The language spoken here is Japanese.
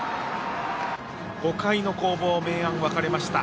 ５回の攻防、明暗が分かれました。